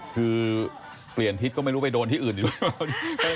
ขึ้นเปลี่ยนทิศก็ไม่รู้ไปโดนที่อื่นนิดหน่อย